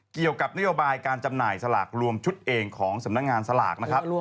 เกี่ยวกับนโยบายการจำหน่ายสลากรวมชุดเองของสำนักงานสลากนะครับ